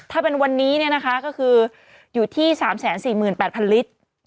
ถ้าเป็นวันนี้ก็คืออยู่ที่๓๔๘๐๐ลิตร